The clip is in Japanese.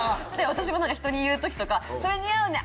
私もひとに言う時とか「それ似合うね」